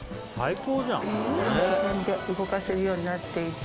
換気扇で動かせるようになっていて。